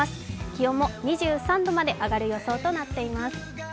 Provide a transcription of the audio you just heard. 気温も２３度まで上がる予想となっています。